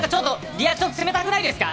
リアクション冷たくないですか？